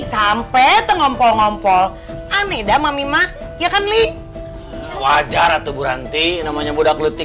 sampai tengom pol pol ane damai mah ya kan nih wajar atau buranti namanya budak letih